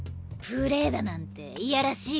プレーだなんていやらしい子だよ。